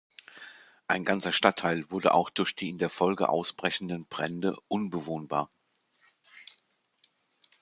Ein ganzer Stadtteil wurde auch durch die in der Folge ausbrechenden Brände unbewohnbar.